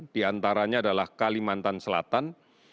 diantaranya adalah kalimantan selatan